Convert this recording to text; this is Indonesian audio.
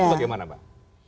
itu bagaimana mbak